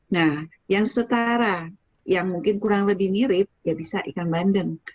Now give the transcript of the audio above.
nah yang setara yang mungkin kurang lebih mirip ya bisa ikan bandeng